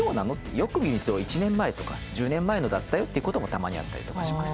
よく見ると１年前とか１０年前のだったよってこともたまにあったりとかします。